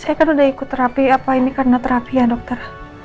saya kan udah ikut terapi apa ini karena terapi ya dokter